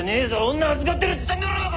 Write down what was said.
女預かってるっつってんだろうが！